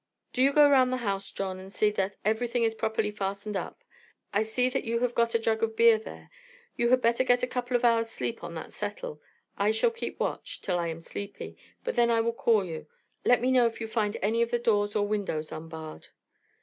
"Do you go round the house, John, and see that everything is properly fastened up. I see that you have got a jug of beer there. You had better get a couple of hours' sleep on that settle. I shall keep watch, till I am sleepy, and then I will call you. Let me know if you find any of the doors or windows unbarred."